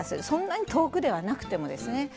そんなに遠くではなくてもですね。